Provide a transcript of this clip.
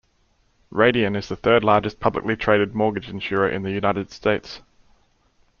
Radian is the third-largest publicly traded mortgage insurer in the United States.